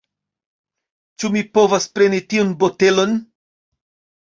Ĉu mi povas preni tiun botelon?